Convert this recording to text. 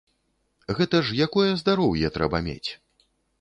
Гэта ж якое здароўе трэба мець!